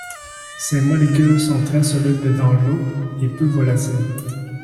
Ces molécules sont très solubles dans l’eau et peu volatiles.